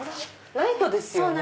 ライトですよね。